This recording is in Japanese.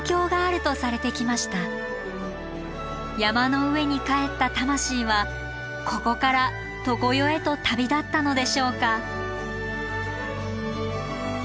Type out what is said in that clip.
山の上に還った魂はここから常世へと旅立ったのでしょうか。